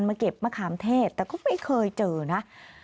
เก็บมะขามเทศแต่ก็ไม่เคยเจอนะ